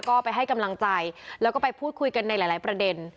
ก็ไปให้กำลังใจแล้วก็ไปพูดคุยกันในหลายประเด็น